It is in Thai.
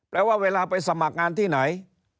แปลว่าเวลาไปสมัครงานที่ไหน